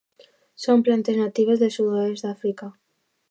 Són plantes natives del sud-oest d'Àfrica.